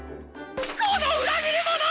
この裏切り者！